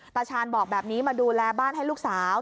ตาชาญบอกแบบนี้มาดูแลบ้านให้ลูกสาว